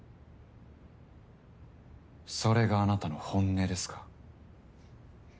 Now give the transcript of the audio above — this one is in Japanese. それがあなたの本音ですか？